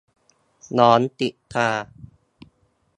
หลอนติดตา